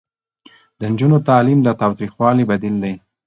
د نجونو تعلیم د تاوتریخوالي بدیل دی.